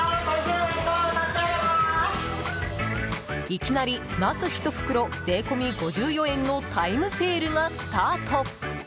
いきなりナス１袋税込み５４円のタイムセールがスタート！